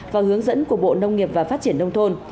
và hướng dẫn của bộ nông nghiệp và phát triển nông thôn